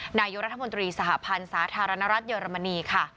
หนายกรรธมนตรีสหพานศาสน์ธารณรัฐเยอรมนี